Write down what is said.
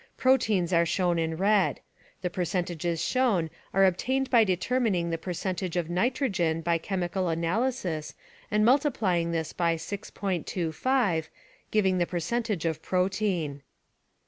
Proteins are shown in red. The percentages shown are obtained by determining the percentage of nitrogen by chemical Proteins analysis and multiplying this by 6.25, giving the percentage of protein.